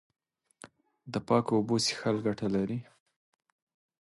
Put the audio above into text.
د پاکو اوبو څښل ګټه لري.